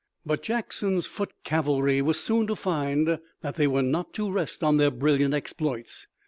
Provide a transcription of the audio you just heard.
But Jackson's foot cavalry were soon to find that they were not to rest on their brilliant exploits.